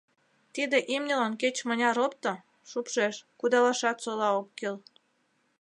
Тиде имньылан кеч-мыняр опто — шупшеш, кудалашат сола ок кӱл.